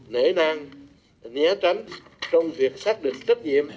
nể nang né tránh trong việc xác định trách nhiệm